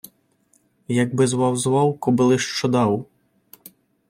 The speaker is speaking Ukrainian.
Як би звав-звав, коби лиш що дав!